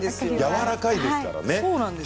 やわらかいですからね。